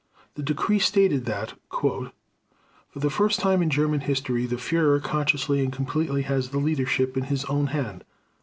The decree stated that: "For the first time in German history the Führer consciously and completely has the leadership in his own hand.